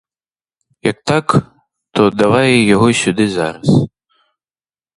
Як так, то давай його сюди зараз.